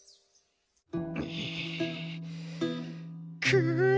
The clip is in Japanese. くう。